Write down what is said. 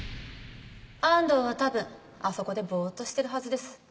安藤は多分あそこでボーッとしてるはずです。